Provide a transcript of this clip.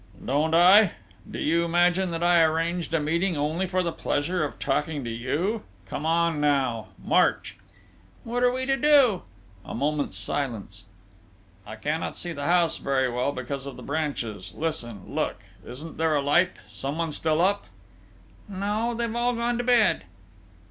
"Don't I? Do you imagine that I arranged a meeting only for the pleasure of talking to you?... Come on, now!... March!" "What are we to do?" A moment's silence. "I cannot see the house very well, because of the branches: listen look!... Isn't there a light?... Someone still up?" "No. They've all gone to bed."